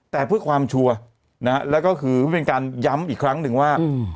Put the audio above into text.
แต่เพื่อความชัวร์นะฮะแล้วก็คือเป็นการย้ำอีกครั้งหนึ่งว่า